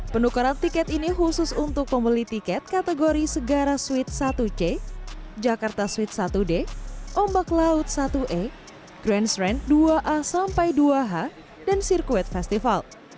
penukaran tiket ini khusus untuk pembeli tiket kategori segara suid satu c jakarta suit satu d ombak laut satu e grand strend dua a sampai dua h dan sirkuit festival